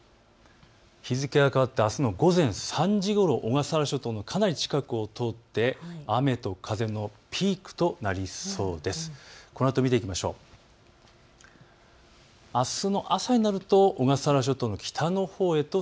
日付が変わってあすの午前３時ごろ、小笠原諸島、かなり近くを通って雨と風のピークとなりそうです。